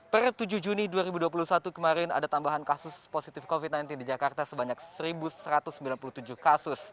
per tujuh juni dua ribu dua puluh satu kemarin ada tambahan kasus positif covid sembilan belas di jakarta sebanyak satu satu ratus sembilan puluh tujuh kasus